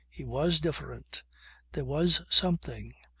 He was different. There was something.